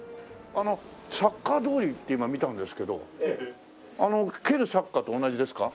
サッカー通りって今見たんですけど蹴るサッカーと同じですか？